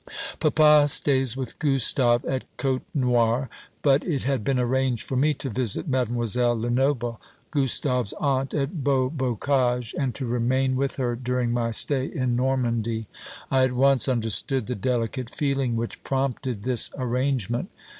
Papa stays with Gustave at Côtenoir; but it had been arranged for me to visit Mademoiselle Lenoble, Gustave's aunt, at Beaubocage, and to remain with her during my stay in Normandy. I at once understood the delicate feeling which prompted this arrangement.